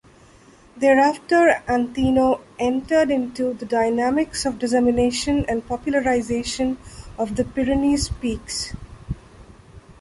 Thereafter Aneto entered into the dynamics of dissemination and popularization of the Pyrenees peaks.